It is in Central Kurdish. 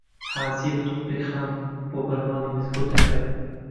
حاجییەک تۆپێک خام بۆ بەرماڵی مزگەوت دەکڕێ